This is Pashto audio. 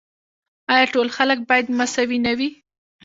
آیا ټول خلک باید مساوي نه وي؟